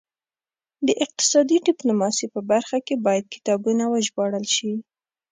د اقتصادي ډیپلوماسي په برخه کې باید کتابونه وژباړل شي